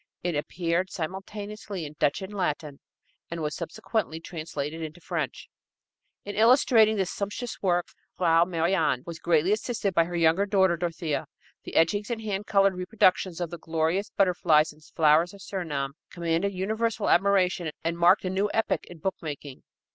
It appeared simultaneously in Dutch and Latin, and was subsequently translated into French. In illustrating this sumptuous work, Frau Merian was greatly assisted by her younger daughter, Dorothea. The etchings and hand colored reproductions of the gorgeous butterflies and flowers of Surinam commanded universal admiration, and marked a new epoch in book making.